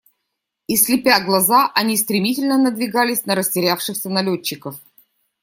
И, слепя глаза, они стремительно надвигались на растерявшихся налетчиков.